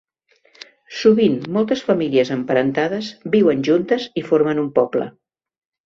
Sovint moltes famílies emparentades viuen juntes i formen un poble.